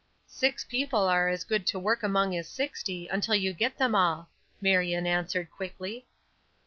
"Six people are as good to work among as sixty, until you get them all," Marion answered, quickly.